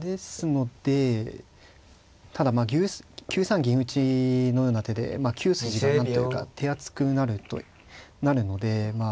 ですのでただまあ９三銀打のような手で９筋が何ていうか手厚くなるのでまあ